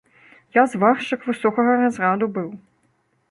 Я зваршчык высокага разраду быў.